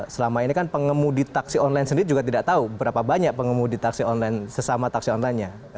selama ini kan pengemudi taksi online sendiri juga tidak tahu berapa banyak pengemudi taksi online sesama taksi onlinenya